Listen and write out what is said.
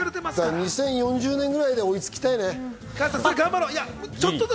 ２０４０年ぐらいで追いつきたいね。